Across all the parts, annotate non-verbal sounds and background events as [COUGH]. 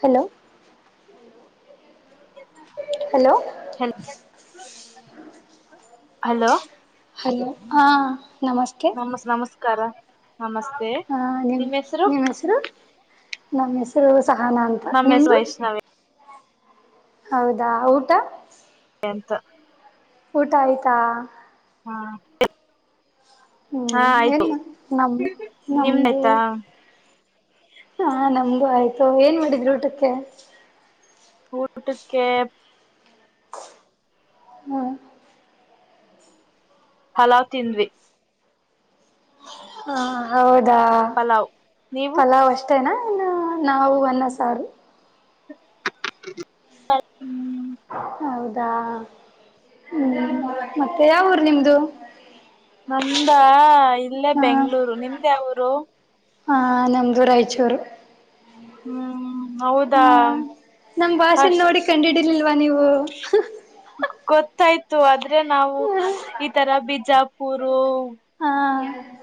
Hello hello ಹಲ್ hello hello ಹಾ ನಮಸ್ತೆ ನಮಸ್ ನಮಸ್ಕಾರ ನಮಸ್ತೆ ಹ ನಿಮ್ಮ ಹೆಸರು ನಮ್ಮ್ ಹೆಸರು ಸಹಾನ ಅಂತ ನಮ್ಮ ಹೆಸರು ನಿಮ್ದು ವೈಷ್ಣವಿ ಹೌದಾ ಊಟ ಎಂತ ಆಯ್ತ ಆಯ್ತಾ ಹಾ ಹಾ ಹ್ಮ್ ಏನ್ ಆಯ್ತು ನಮ್ ನಮ್ದು ನಿಮ್ದಾಯ್ತಾ ಹಾ ನಮಗೂ ಆಯ್ತು ಏನ್ ಮಾಡಿದ್ರು ಊಟಕ್ಕೆ ಊಟಕಕ್ಕೆ ಹ್ಮ್ ಪಲಾವ್ ತಿಂದ್ವಿ. ಹಾ ಹೌದು ಪಲಾವ್ ನೀವು ಪಲಾವ್ ಅಷ್ಟೇನಾ ನಾವು ಅನ್ನ ಸಾರು ಸರಿ ಹೌದಾ ಹ ಹ್ಮ್ ಮತ್ತೆ ಯಾವ್ ಊರ್ ನಿಮ್ದ್ ್ದ [UNINTELLIGIBLE] ನಂದ ಇಲ್ಲೇ ಬೆಂಗಳೂರು ನಿಮ್ದ್ ಯಾವೂರು? ಹಾ ನಮ್ದು ರಾಯಚೂರು ಹ್ಮ್ ಹೌದಾ ನಮ ಭಾಷೆ ಅಷ್ಟ ನೋಡಿ ಕಂಡ ಹಿಡಿರ್ಲಿಲ್ವಾ ನೀವು ಗೊತ್ತಾಯ್ತು ಅದ್ ನಾವು ಈ ತರ ಬಿದ್ದ ಬಿಜಾಪರು ಹಾ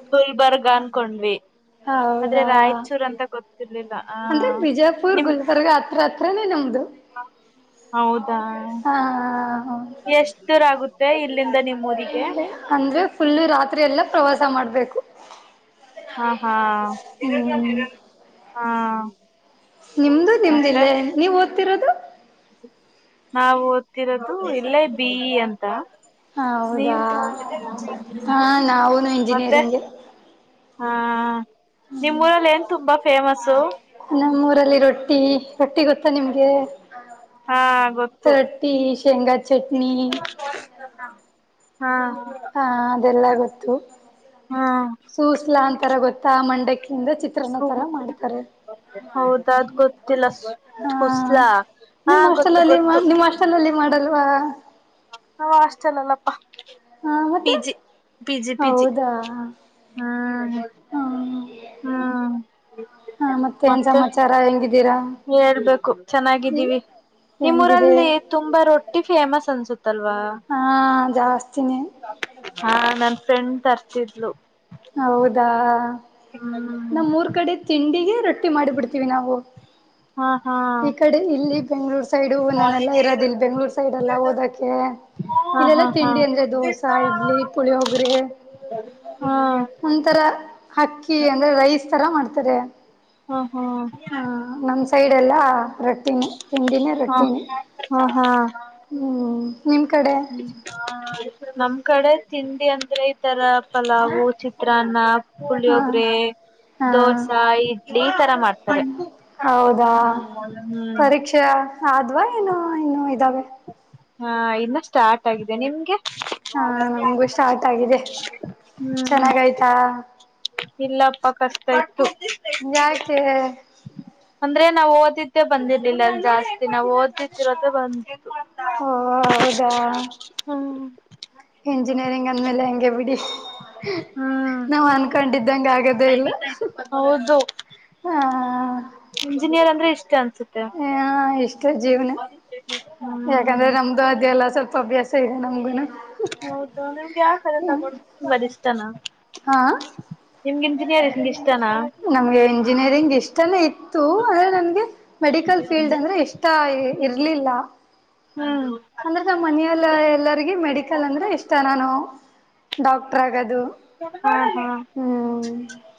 ಗು ಲ್ಬರ್ಗ ಅನ್ಕೊಂಡ್ವಿ ಆದ್ರೆ ಹೌದಾ ರಾಯಚೂರ್ ಅಂತ ಗೊತ್ತಿರ್ಲಿಲ್ಲ ಹ ಅಂದ್ರೆ ಬಿಜಯಪುರ್ ನಿಮ್ ಗುಲ್ಬರ್ಗ ಹತ್ರನೇ ನಮ್ದದು ಹೌದಾ ಹ ಎಷ್ಟಧೂರಆಗುತ್ತ ಹ ಇ [UNINTELLIGIBLE] ಅಂದ್ರೆ ಫುಲ್ ರಾತ್ರಿ ಎಲ್ಲ ಪ್ರವಾಸ ಮಾಡ್ಬೇಕು ಹಾಂ ಹಾಂ ಹ್ಮ್ ಹಾ ನಿಮ್ದು ಮತ್ತೆ ನಿಮ್ದಿಲ್ಲೇ ನೀವ್ ಓದ್ತಿರೋದು? ನಾವು ಓದ್ತಿರೋದು ಇಲ್ಲೇ ಬಿ. ಇ ಅಂತ. ನೀವ ಹೌದಾ ಹಾ ನಾವುನು ಮತ್ತೆ ಇಂಜಿನಿಯರಿಂಗ್ಗೆ ಹ ನಿಮ್ ಊರಲ್ಲಿ ಏನ್ ತುಂಬಾ ಫೇಮಸು ನಮ್ಮ ಊರಲ್ಲಿ ರೊಟ್ಟಿ ರೊಟ್ಟಿ ಗೊತ್ತಾ ನಿಮ್ಗೆ ಹಾ ಗೊತ್ತು ರೊಟ್ಟಿ ಶೇಂಗಾ ಚಟ್ನಿ ಹಾ ಹಾ ಅದೆಲ್ಲಾ ಗೊತ್ತು ಹಾ ಸೂಸ್ಲಾ ಅಂತರ ಗೊತ್ ತ ಮಂಡಕ್ಕಿ ಚಿತ್ರನ್ನ ತರ ಮಾಡ್ತಾರೆ ಹೌದ ಅದ್ ಗೊತ್ತಿಲ್ಲ ಹ ಹುಸ್ಲಾ ಹಾ ನಿಮ್ಮ ಗೊತ್ತು ಅಲ್ಲಿ ನಿಮ್ಮ ಅಷ್ಟಲ್ಲಿ ಮಾಡಲು ಹಾ ಹ ಅಷ್ಟ್ ಚಲ್ಲಲ್ಲಪ್ಪ ಹ ಮತ್ತೆ ಪಿಜಿ ಪಿಜಿ ಪಿಜಿ ಹೌದಾ ಹ್ಮ [INAUDIBLE] ಹ ಹ ಮತ್ತೇನ್ ಮತ್ತೆ ಸಮಾಚಾರ ಹೆಂಗಿದ್ದೀರಾ ಹೇಳ್ಬೇಕು ಚೆನ್ನಾಗಿದ್ದೀವಿ ಹೆಂಗಿದೆ ನಿಮ್ಮೂರಲ್ಲಿ ತುಂಬಾ ರೊಟ್ಟಿ ಫೇಮಸ್ ಅನ್ಸುತ್ ತಲ್ವಾ ಜಾಸ್ತಿ [UNINTELLIGIBLE] ಹಾ ನನ್ ಫ್ರೆಂಡ್ ತರ್ತಿದ್ಲು ಹೌದಾ ಹ್ಮ್ ನಮ್ಮೂರ್ ಕಡೆ ತಿಂಡಿಗೆ ರೊಟ್ಟಿ ಮಾಡಿಬಿಡ್ತೀವಿ ನಾವು ಹಾ ಹಾ ಈ ಕಡೆ ಇಲ್ಲಿ ಬೆಂಗ್ಳೂರ್ ಸೈಡು ನಾನೆಲ್ಲಾ ಇರೋದ ಇಲ್ ಬೆಂಗ್ಳೂರ್ ಸೈಡ್ ಎಲ್ಲ ಓದಕೆ ಹಾ ಹಾ ಇಲ್ಲೆಲ್ಲಾ ಹಾ ತಿಂಡಿ ಅಂದ್ರೆ ದೋಸಾ ಇಡ್ಲಿ ಪುಳಿಯೋಗ್ರೆ ಹಾ ಒಂತರ ಹಕ್ಕಿ ಅಂದ್ರೆ ರೈಸ್ ತರ ಮಾಡ್ ಹ ಹಾ ಹಾ ಹಾ ನಮ್ಮ್ ಸೈಡ್ ಎಲ್ಲ ರೊಟ್ಟಿನಿ ತಿಂಡಿನೇ ಹಾ ರೊಟ್ಟಿನಿ ಹ್ಮ್ ನಿಮ್ ಕಡೆ ಹ್ಮ ಹ ನಮ್ ಕಡೆ ತಿಂಡಿ ಅಂದ್ರೆ ಈ ತರ ಪಲಾವು, ಚಿತ್ರಾನ್ನ ಹಾ ಪುಳಿಯೊಗ್ರೆ ಹಾ ದೋಸಾ ಇಡ್ಲಿ ಈ ತರ ಮಾಡ್ತಾರೆ ಹೌದಾ ಹ್ಮ ಹ್ಮ್ ಅ್ವಾ ಏನು ಇನ್ನು ಇದಾವೆ ಹಾ ಇನ್ನು ಸ್ಟಾರ್ಟ್ ಆಗಿದೆ ನಿಮ್ಗೆ ಹಾ ನಮಗೂ ಸ್ಟಾರ್ಟ್ ಆಗಿದೆ ಹ್ಮ್ ಚೆನ್ನಾಗಾಯ್ತಾ? ತಾ ಯಾಕೆ ಅಂದ್ರೆ ನಾನು ಓದಿದ್ದೆ ಬಂದಿರ್ಲಿಲ್ಲ ಜಾಸ್ತಿ ನಾನು ಓದತಿರೋದೆ ಬಂದ್ ಓ ಹೌದಾ ಹ್ಮ್ ಎಂಜಿನಿಯರಿಂಗ್ ಅಂದ್ಮೇಲೆ ಹಂಗೆ ಬಿಡಿ ಹ್ಮ್ ನಾವ್ ಅನ್ಕೊಂಡಿದ್ದಂಗ ಆಗದೇ ಇಲ್ಲ, ಹೌದು ಹಾ ಇಂಜಿನಿಯರ್ ಅಂದ್ರೆ ಇಷ್ಟ ಅಂತ ಸುತ್ತ ಕೆ ಜೀವ್ನ ಯಾಕಂದ್ರೆ ನಮ್ದು ಅದೆಲ್ಲ ಸ್ವಲ್ ಅಭ್ಯಾಸ ಇ ನಮ್ಗು ಹೌದಲೆನ್ ಯಾವ ಕ ತಗೊಂಡ ತುಂಬಷ್ಟ ತನ ಹಾ ನಿಮ್ಗೆ ಇಂಜಿನಿಯರ್ ಅಂದ್ರೆ ಇಷ್ಟನಾ? ಜಿನಿಯರಿಂಗ್ ಇಷ್ಟನೇ ಇತ್ ಇತ್ತು ಆದ್ರೆ ನನ್ಗೆ ಮೆಡಿಕಲ್ ಫೀಲ್ಡ್ ಅಂದ್ರೆ ಇಷ್ಟ ಆ ಇರ್ಲಿಲ್ಲ. ಹ್ಮ್ ಅಂದ್ರೆ ನಮ್ಮ ಮನೆಯಲ್ಲಾ ಎಲ್ಲರಿಗ ಮೆಡಿಕಲ್ ಅಂದ್ರೆ ಇಷ್ಟ ನಾನು ಡಾಕ್ಟರ್ ಆಗದು, ಹಾ ಹಾ ಹ್ಮ್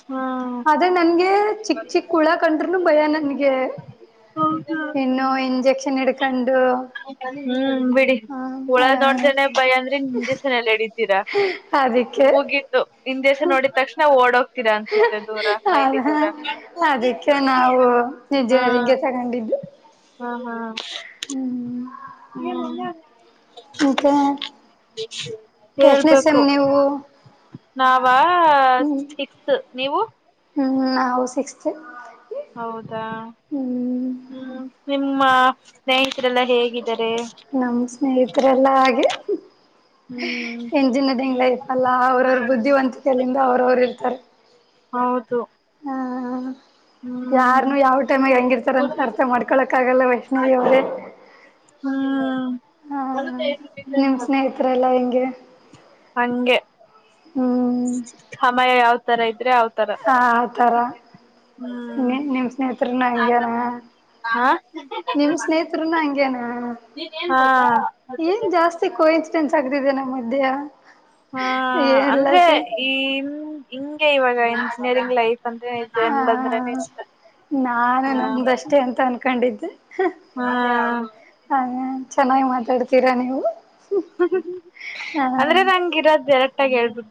ಹ್ಮ್ ಆದ್ರೆ ನನ್ಗೆ ಚಿಕ್ಕ ಚಿಕ್ಕ ಹುಳ ಕಂಡ್ರು ನು ಭಯ ನನ್ಗ್ ಇನ್ನು ಇಂಜೆ ಚಿನ್ನಡಿಕನ್ ಹಕ ನೀ ಹ್ಮ ಬಿಡಿ ಹೂಳ ಹ ನೋಡ್ದೇನೆ ಭಯ ಅಂದ್ರೆ ಇಂಜೆಕ್ಷನ್ ಎಲ್ಲ ಇಡಿತೀರಾ ಅದಕ್ಕೆ ಮುಗಿತು ಇಜೆ ನೋಡಿದ್ ತಕ್ಷಣ ಓಡು [INAUDIBLE] ಅನ್ಸುತ್ತೆ ದೂರ ಅದ ಮೈಲಿ ದೂರ ಅದಕ್ಕೆ ನಾವು ಹ ಇಂಜಿನಿಯರಿಂಗ್ಗೆ ತಗೊಂಡಿದ್ದು ಹ ಹ ಹ ಹ್ಮ ಮತ್ತೆ ಹ ಎಷ್ಟನೇ ಸೆಮ್ ಹೇಳ್ಬೇಕು ನೀವು ನಾವ ಆ ಹ್ಮ್ ಸಿಕ್ತ್ ನೀವು ಹ್ಮ್ ನಾವು ಸಿಕ್ಸ್ತ್ ಹೌದು ಹ ಹ್ಮ್ ಹ್ಮ್ ನಿಮ್ಮ ಸ್ನೇಹ ನಮ್ ಸ್ನೇಹಿತರೆಲ್ಲ ಹಾಗೆ ಹ್ಮ್ ಎಂಜಿನಿಯರಿಂಗ್ ಲೈಫ್ ಅಲ್ಲ ಅವ್ರವ್ರ ಬುದ್ಧಿವಂತಿಕಿಂದ ಅವ್ರವರು ಇರ್ತಾರೆ ಹೌದು. ಹಾ ಹ್ಮ್ ಯಾರ್ನು ಯಾವ ಟೈಮಗ ಹೆಂಗಿರ್ತಾರಂತ ಅರ್ಥ ಮಾಡ್ಕೊಳಕ್ ಆಗಲ್ಲ ವೈಷ್ಣವಿ ಅವರೇ ಹ್ಮ್ ಹ ನಿಮ್ ಸ್ನೇಹಿತರೆ ಎಲ್ಲ ಹೆಂಗ್ ಹಾಗ [INAUDIBLE] ಹಂಗೆ ಸಮಯ ಯಾವತ್ ತರ ಇದ್ರೆ ಹೌ ಹ ಆ ತರ ಹ್ಮ್ ನಿ ನಿಮ್ ಸ್ನೇಹತ್ರರುನ ಹಂಗಗೆನಾ ಹಾ ನಿಮ್ ಸ್ನೇಹತ್ರರುನ ಹಂಗಗೆನಾ ಹಾ ಏನ್ ಜಾಸ್ತಿ ಕೊಯತ ಚೆಂಸ್ ಆಕ್ತಿದೆ ನಮ್ಮ ಮಧ್ಯ ಹಾ ಎಲ್ಲ ಅಂದ್ರೆ ಸೇ ಈ ಹಿಂಗೆ ಇವಾಗ [UNINTELLIGIBLE] ಹ ಜನಲ್ ಅಂದ್ರನೆ ಇಷ್ಟ ನಾನು ಹ ನಮ್ದಷ್ಟೆ ಅಂತ ಅನ್ಕೊಂಡಿದ್ದೆ ಹಾ ಚೆನ್ನಾಗಿ ಮಾತಾಡ್ತೀರಾ ನೀವು ಹ ಅಂದ್ರೆ ನಂಗಿರೋದೆ ಾಗ ಹೇಳ್ಬಿು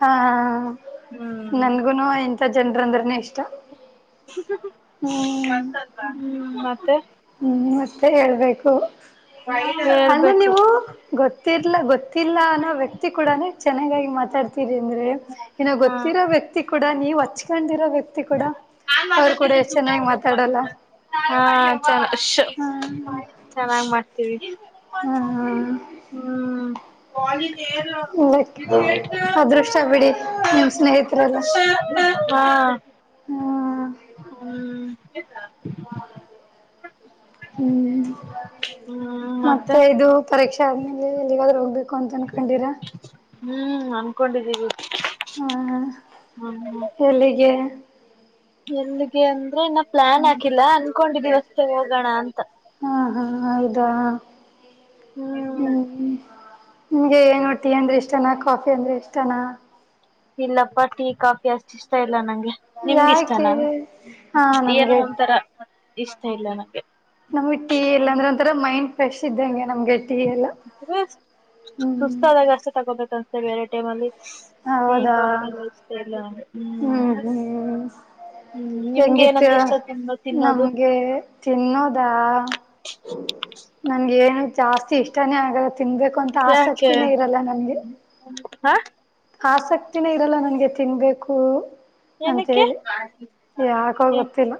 ಹಾ ಹ ನನ್ಗುನು ಎನ್ ಜನ್ರ್ ಅಂದ್ರೇನೆ ಇಷ್ಟ. ಹ್ಮ್ ್ಮ [UNINTELLIGIBLE] ೆ ಹ್ಮ್ ಮತ್ತೆ ಹೇಳ್ಬೇಕು ಅಂದ್ರೆ ಹೇಳ್ಬೇಕು ನೀವು ಗೊತ್ತಿರ್ಲ ಗೊತ್ತಿಲ್ಲ ಅನ್ನೋ ವ್ಯಕ್ತಿ ಕೂಡನ ಚೆನ್ನಾಗಿ ಮಾತಾಡ್ ಅಂದ್ರೆ ಇನ ಹಾ ಗೊತ್ತಿರೋ ವ್ಯಕ್ತಿ ಕೂಡ ನೀವ್ ಹಚ್ಕೊಂಡಿರೋ ವ್ಯಕ್ತಿ ಕೂಡ ಅವರು ಕೂಡ ಎಷ್ಟು ಚೆನ್ನಾಗಿ ಮಾತಾಡಲ್ಲ ಹಾ ಚ ಹಾ ಚೆನ್ನಾಗಿ ಮಾಡ್ತೀವಿ. ಹಾ ಹ್ಮ್ ಕಾಲಿಜ್ ಇಲ್ಲ ಕ ಅದೃಷ್ಟ ಬಿಡಿ ನಿಮ್ ಸ್ನೇಹಿತರೆಲ್ಲ ಹಾಂ. ಹ್ಮ ಹ್ಮ್ ಹ್ಮ್ ಮತ್ತೆ ಇದು ಪರೀಕ್ಷೆ ಆದ್ಮೇಲೆ ಎಲ್ಲಿಗಾದ್ೂ ಹೋಗ ಹ್ಮ್ ಅನ್ಕೊಂಡಿದ್ದೀವಿ ಹಾ ಹ್ಮ್ ಎಲ್ಲಿಗೆ ಎಲ್ಲಿಗೆ ಅಂದ್ರೆ ಪ್ಲಾನ್ ಹಾಕಿಲ್ಲ ಅನ್ಕೊಂಡಿದೀವಸ್ೇ ಹೋಗೋಣ ಅಂತ ನ ಹ್ಮ್ ನಿಮ್ಗೆ ಏನು ಟೀ ಅಂದ್ರೆ ಇಷ್ಟಾನ ಕಾಫಿ ಅಂದ್ರೆ ಇಷ್ಟಾನ. ಇಲ್ಲಪ್ಪ ಟಿ ಕಾಫಿ ಅಷ್ಟು ಇಷ್ಟ ಇಲ್ಲ ನಂಗೆ ನಿಮ್ಗ ಇಷ್ಟ ಯಾಕೆ ನಾ ಹಾ ಏನು ನಮ್ಗೆ ಒಂಥರ. ಇಷ್ಟ ಇಲ್ಲ ನಂಗೆ. ನಮಿಗೆ ಟಿ ಇಲ್ಲಾಂದ್ರೆ. ಒಂದ್ತರ ಮೈಂಡ್ ಫ್ರೆಶ್ ಇದ್ದಂಗೆ. ನಮ್ಗೆ ಟೀ ಎಲ್ಲ ಹ್ಮ್ ಸುಸ್ತು ಅದಾಗ ಅಷ್ಟೇ ತಗೋಬೇಕು ಬೇರೆ ಟೈಮ್ ಅಲ್ಲಿ. ಟಿ ಹೌದಾ ಕಾಫಿ ಎಲ್ಲಾ ಇಷ್ಟ ಇಲ್ಲ. ಹ್ಮ್ ಹ್ಮ್ ಹ್ಮ್ ನಿಮ್ಗೆ ಹೆಂಗಿತ್ತು ಏನಂದ್ರೆ ಇಷ್ಟ ತಿನ್ನ ತಿನ್ನೋದು ನಮ್ಗೆ ತಿನ್ನೋದಾ ನನ್ಗೆ ಏನು. ಜಾಸ್ತಿ ಇಷ್ಟಾನೇ ಆಗು ತಿನ್ಬೇಕು ಅಂತ ಆಸಕ್ತಿನೇ ಇರಲ್ಲ ನಂಗೆ. ಹಾ ಆಸಕ್ತಿನೇ ಇರಲ್ಲ ನನ್ಗೆ ತಿನ್ಬೇಕು ಅಂತ ಏನಕ್ಕೆ ಹೇಳಿ ಯಾಕೋ ಗೊತ್ತಿಲ್ಲ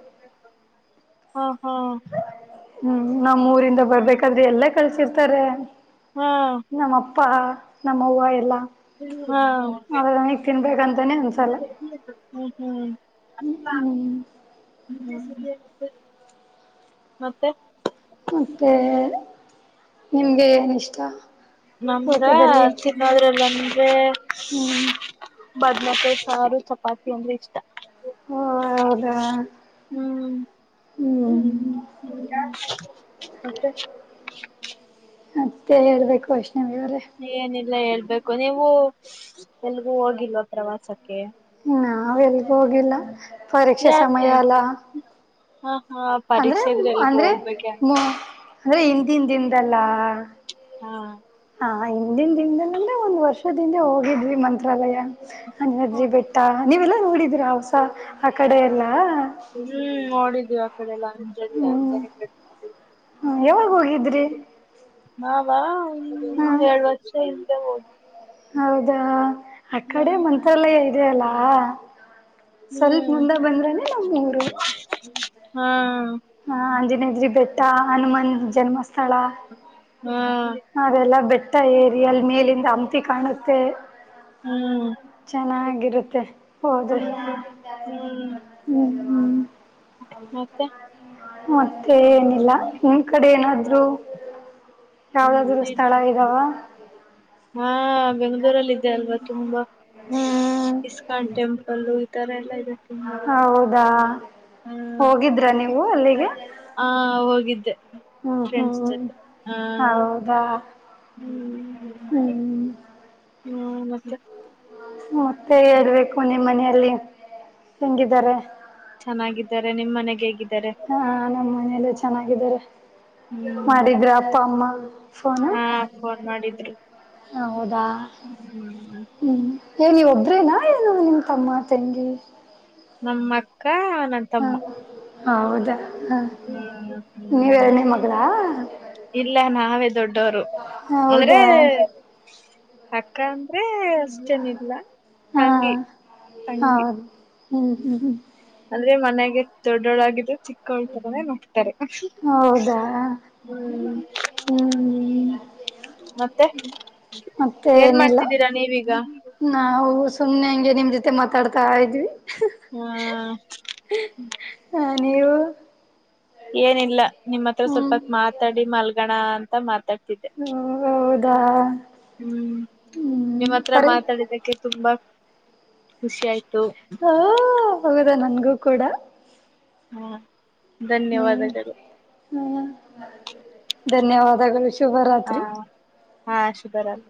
ಹಾ ಹಾ. ಹ್ಮ್ ನಮ್ಮ್ ಊರಿಂದ ಬರ್ಬೇಕಾದ್ರೆ ಎಲ್ಲಾ ಕಳಸರ್ ತಾರೆ ಹ್ಮ ಅಪ್ಪಾ ನಮ್ಮ ಹೂವ ಎಲ್ಲ ಹಾ ಹ ತಿನ್ಬೇಕಂತಾನೆ ಅನ್ಸಲ್ಲ ಹ್ಮ ಹ್ಮ ಹ್ಮ್ ಮತ್ತೆ ತ್ತೆ ನಿಮ್ಗೆ ಏನ್ ಇಷ್ಟ ನಮಗ ಊಟದಲ್ಲಿ ತಿಮ್ಮದ್ರಲ್ಲ ಅಂದ್ರೆ ಹ್ಮ್ ಬದ್್ಮತೆೆ ಸಾರು ಚಪಾತಿ ಅಂದ್ರೆ ಇಷ್ಟ ಹೌದ ಹ್ಮ್ ಹ್ಮ. ಮತ್ತೆ ಮತ್ತೆ ಹೇಳ್ಬೇಕು ಅಷ್ಟೇ. ಏನಿಲ್ಲ ಹೇಳ್ಬೇಕು ನೀವು. ಎಲ್ಗೂ ಹೋಗಿಲ್ವಾ ಪ್ರವಾಸಕ್ಕೆ. ನಾವ ಎಲ್ಗ ಹೋಗಿಲ್ಲ. ಪರೀಕ್ಷೆ ಸಮಯ ಯಾಕೆ ಅಲ್ಲ ಹ ಹಾ ಅಂದ್ರೆ ಪರೀಕ್ಷೆ ಇದ್ರೆ ಎಲ್ಗ ಅಂದ್ರೆ ಹೋಗ್ಬೇಕ ಆ. ಮು ಅಂದ್ರೆ ಹಿಂದ ಹಿಂದಿಂದಲ್ಲಾ. ಹಾ. ಹ ಹಿಂದಿನ ದಿಂದನಂದ್ರೆ ಒಂದ್ ವರ್ಷದಿಂದೆ ಹೋಗಿದ್ವಿ ಮಂತ್ರಾಲಯ. ಹ ಹಾಜಿ ಬೇಟಾ. ನೀವೆಲ್ಲಾ ನೋಡಿದ್ರ ಹಸ ಆ ಕಡೆ ಎಲ್ಲ. ಹ್ಮ್ ನೋಡಿದೀ್ಯಾ. ಹಲ್ಲ. ಹ್ಮ್ ಹ್ಮ್ ಯಾವಾಗ ಹೋಗಿದ್ರಿ ನ ಹ್ಮ್ ಎರಡು ವರ್ಷ. ಹೋಗಿ. ಹೌದಾ. ಅ ಕಡೆ ಹ್ಮ್ ಮಂತ್ರಾಲಯ ಆಯತು. ಅದಲ್ಲ. ಸ್ವಲ್ಪ ಹ್ಮ್ ಮುಂದೆ ಬಂದ್ರನೆ ನಮ್ಮ್ೂಊರು. ಹಾ. ಹಾ ಹಜ ನೀಜರಿ. ಹನುಮನ್ ಜನ್ಮಸ್ಥ. ಸ್ಥಳ ಹಾ ಅದೆಲ್ಲ ಬೆಟ್ಟ ಏರಿ ಅಲ್ಲಿ ಮೇಲಿಂದ ಹಮತಿಿ ಕಾಣುತ್ತೆ ಹ್ಮ್ ಚೆನ್ನಾಗಿರುತ್ತೆ ಹೌದು ಹ್ಮ್ ಹ್ಮ್. ಅ. ಮತ್ತೆ ಮತ್ತೆ. ಏನಿಲ್ಲ ನಿಮ್ ಕಡೆ ಏನಾದ್. ನೊ [INAUDIBLE] ಹಾ. ಬೆಂಗಳೂರಲ್ಲಿ ಇದೆ ಅಲ್ವಾ ತುಂಬಾ. ಹ್ಮ್ ಎಕಟಮ [INAUDIBLE] ಅಲ್ಲೂ ಈ ತರ ಎಲ್ಲ. ಇದೆ ತುಂಬಾ ಹೌದಾ. ಹಾ ಹೋಗಿದ್ರ ನೀವು ಅಲ್ಲಿಗೆ ಆ ಹೋಗಿದ್ದೆ ಹ್ಮ್ ಫ್ರೆಂಡ್ಸ್ ಹ್ಮ್ ಜೊತೆ ಆ ಹೌದಾ ಹ್ಮ್. ಹ್ಮ ಮತ್ತ. ಮತ್ತೆ ಹೇಳ್ಬೇಕು ನಿಮ್ಮ್ ಮನೆಯಲ್ಲಿ ಹೆಂಗಿದ್ದಾರೆ ಚೆನ್ನಾಗಿದ್ದಾರೆ ನಿಮ್ ಮನೆಗೆ ಹಗಿದ್ದ ಹಾ ನಮ್ಮನೆಯಲು ಚೆನ್ನಾಗಿದ್ದಾರೆ ಹ್ಮ್ ಮಾಡಿದ್ರ ಅಪ್ಪ ಅಮ್ಮ ಹ್ಮ ಫೋನಾ ಹಾ ಫೋನ್ ಮಾಡಿದ್ರು ಹೌದಾ ಹ್ಮ್ ಹ್ಮ ಏ ನೀವು ಒಬರೇನಾ ಏನು ನಿಮ್ಮ ತಮ್ಮ ತಂಗಿ ನಮ್ಮಟಾ ಹ್ಮ ಹೌದಾ ಹಾ ಹ್ಮ್ ನೀವು ಹ್ಮ್ ಎರಡನೇ ಮಗಳ ಇಲ್ಲ ನಾವೇ ದೊಡ್ಡವರು ಆದ್ರೆ ಹೌದಾ ಅಕ್ಕ ಅಂದ್ರೆ ಅಷ್ಟನ ಇಲ್ಲ ಹಾ ತಂಗಿ ತಂಗಿ ಹೌದು ಹ್ಮ್ ಹ್ಮ್ ಹ್ಮ್ ಒಂದೇ ಮನೆಗೆ ದೊಡ್ಡೊಡಾಗಿದ್ರೆ ಚಿಕ್ಕಾಳ್ತದನು ಹೌದಾ ಹ್ಮ್ ಹ್ಮ್ ಮತ್ತೆ ಮತ್ತೆ ಏನ್ ಏನಿಲ್ಲ ಮಾಡ್ತಿದ್ದೀರಾ ನೀವೀಗ ನಾವು ಸುಮ್ನೆ ಹಂಗೆ ನಿಮ ಜೊತೆ ಮಾತಾಡ್ತಾ ಇದ್ವಿ ಹ್ಮ ಹ ನೀವು ಏನಿಲ್ಲ ನಿಮ್ಮ ಹತ್ರ ಹ್ಮ್ ಸ್ವಲ್ಪತ್ ಮಾತಾಡಿ ಮಲ್ಗಣ ಅ ಮತ್ತ ತಗ್ತಿದ್ದೆ ಪ್ಪಾ ಹ್ಮ್ ನಿಮ್ಮ್ ಹತ್ರ ಮಾತಾಡಿದಕ್ಕೆ ತುಂಬಾ ಖುಷಿ ಆಯ್ತು ಓ ಹೌದಾ ನಂಗೂ ಗೂ ಕೂಡ ಹಾ ಧನ್ಯವಾದಗಳು ಹ ಧನ್ಯವಾದಗಳು ಶುಭರಾತ್ರಿ ಅಹ್, ಶುಭರಾತ್.